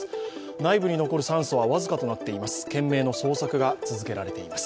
内部に残る酸素は僅かとなっています。